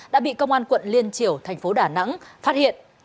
đã bị công an quận liên triều thành phố đà nẵng phát hiện